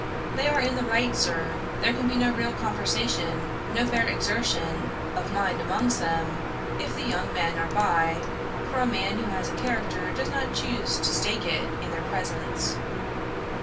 'They are in the right, Sir: there can be no real conversation, no fair exertion of mind amongst them, if the young men are by; for a man who has a character does not choose to stake it in their presence.'